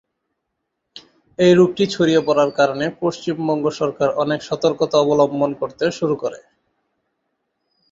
এই রোগটি ছড়িয়ে পড়ার কারণে পশ্চিমবঙ্গ সরকার অনেক সতর্কতা অবলম্বন করতে শুরু করে।